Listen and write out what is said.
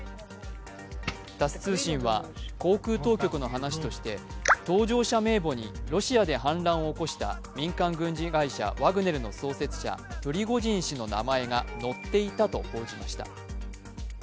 タス通信は航空当局の話として搭乗者名簿にロシアで反乱を起こした民間軍事会社ワグネル創設者、プリゴジン氏の名前が載っていたと報じました